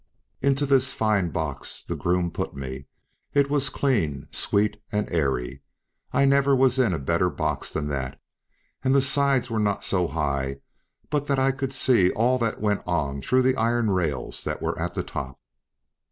Into this fine box the groom put me; it was clean, sweet, and airy. I never was in a better box than that, and the sides were not so high but that I could see all that went on through the iron rails that were at the top.